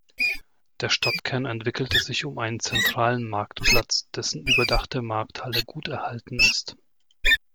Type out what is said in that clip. Der Stadtkern entwickelte sich um einen zentralen Marktplatz, dessen überdachte Markthalle gut erhalten ist.